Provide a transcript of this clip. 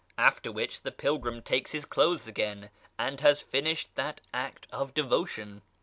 After which the [p.398] pilgrim takes his clothes again, and has finished that act of devotion.